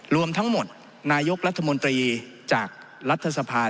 รวมทั้งหมดนายกรัฐมนตรีจากรัฐสภา